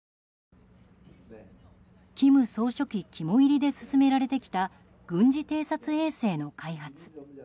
金総書記肝煎りで進められてきた軍事偵察衛星の開発。